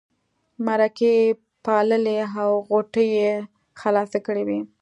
مرکې یې پاللې او غوټې یې خلاصې کړې وې.